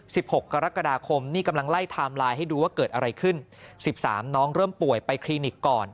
หกกรกฎาคมนี่กำลังไล่ไทม์ไลน์ให้ดูว่าเกิดอะไรขึ้นสิบสามน้องเริ่มป่วยไปคลินิกก่อน